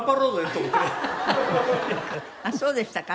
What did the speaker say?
あっそうでしたか。